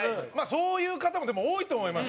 そういう方もでも、多いと思います